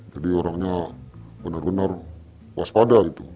jadi orangnya benar benar waspada itu